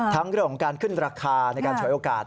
เรื่องของการขึ้นราคาในการฉวยโอกาส